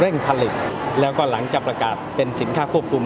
ผลิตแล้วก็หลังจากประกาศเป็นสินค้าควบคุม